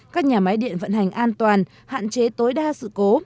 các nhà máy điện vận hành an toàn hạn chế tối đa sự cố